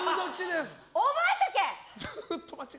覚えとけ！